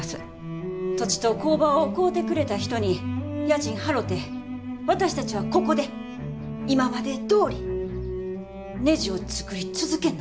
土地と工場を買うてくれた人に家賃払て私たちはここで今までどおりねじを作り続けんのです。